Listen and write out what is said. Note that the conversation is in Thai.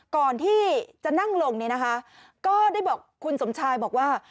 ก่อนที่จะนั่งลงก็ได้บอกคุณสมชายบอกว่า